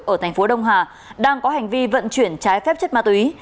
ở tp đông hà đang có hành vi vận chuyển trái phép chất ma túy